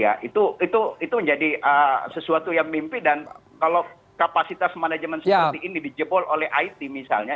ya itu menjadi sesuatu yang mimpi dan kalau kapasitas manajemen seperti ini dijebol oleh it misalnya